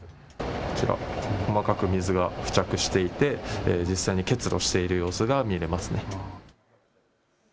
こちら細かく水が付着していて実際に結露しているのが確認できます。